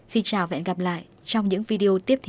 xin chào và hẹn gặp lại trong những video tiếp theo